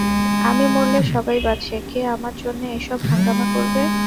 আমি মরলে সবাই বাঁচে, কে আমার জন্যে এসব হাঙ্গামা করবে?